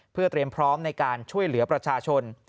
เพื่อเตรียมพร้อมในการช่วยเหลือประชาชน